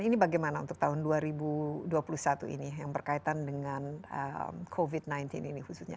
ini bagaimana untuk tahun dua ribu dua puluh satu ini yang berkaitan dengan covid sembilan belas ini khususnya